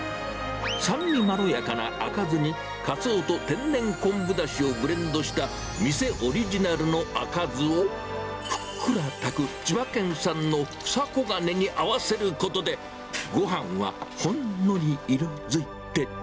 酸味まろやかな赤酢にカツオと天然昆布だしをブレンドした、店オリジナルの赤酢を、ふっくら炊く千葉県産のふさこがねに合わせることで、ごはんはほんのり色づいて。